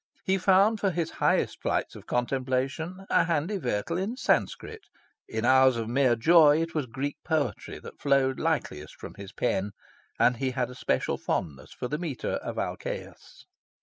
He found for his highest flights of contemplation a handy vehicle in Sanscrit. In hours of mere joy it was Greek poetry that flowed likeliest from his pen; and he had a special fondness for the metre of Alcaeus.